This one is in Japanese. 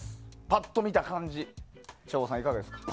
パッと見た感じ省吾さん、いかがですか？